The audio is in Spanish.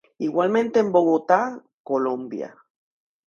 Igualmente en Bogotá, Colombia.